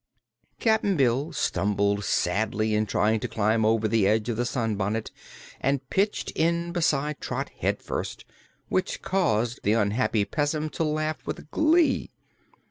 Cap'n Bill stumbled sadly in trying to climb over the edge of the sunbonnet and pitched in beside Trot headfirst, which caused the unhappy Pessim to laugh with glee.